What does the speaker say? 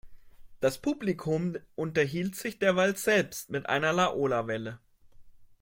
Das Publikum unterhielt sich derweil selbst mit einer Laola-Welle.